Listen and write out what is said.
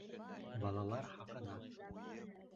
Балалар хаҡына